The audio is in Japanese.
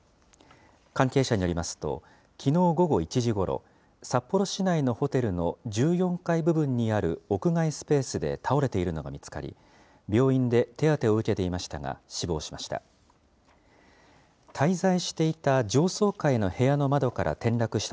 関係者によりますと、きのう午後１時ごろ、札幌市内のホテルの１４階部分にある屋外スペースで倒れているのが見つかり、病院で手当てを受けていましたが、死亡しました。